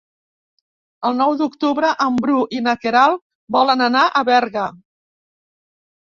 El nou d'octubre en Bru i na Queralt volen anar a Berga.